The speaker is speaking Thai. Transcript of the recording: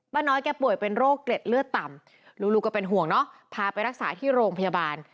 น้อยแกป่วยเป็นโรคเกล็ดเลือดต่ำลูกก็เป็นห่วงเนาะพาไปรักษาที่โรงพยาบาล